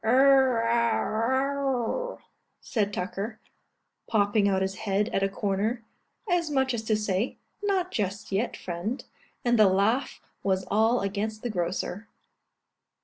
"Err a wa ow," said Tucker, popping out his head at a corner, as much as to say, "Not just yet, friend;" and the laugh was all against the grocer.